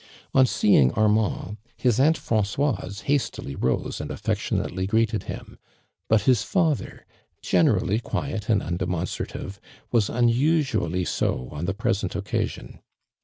On seeing Armand, his aunt Francoise hastily rose and affectionately greeted him, but his father, generally quiet and unde monstrative, was unusually so on the present occasion.